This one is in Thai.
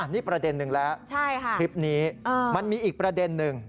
นี่ประเด็นหนึ่งแล้วคลิปนี้มันมีอีกประเด็นหนึ่ง